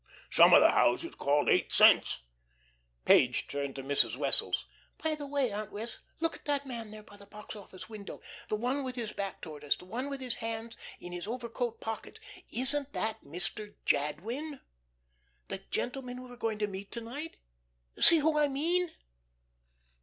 Some of the houses called eight cents." Page turned to Mrs. Wessels: "By the way, Aunt Wess'; look at that man there by the box office window, the one with his back towards us, the one with his hands in his overcoat pockets. Isn't that Mr. Jadwin? The gentleman we are going to meet to night. See who I mean?"